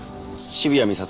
渋谷美里